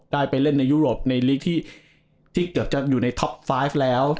ไปเล่นในยุโรปในลีกที่เกือบจะอยู่ในท็อปไฟฟ์แล้ว